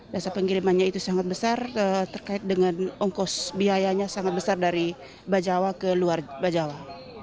jasa pengirimannya itu sangat besar terkait dengan ongkos biayanya sangat besar dari bajawa ke luar bajawa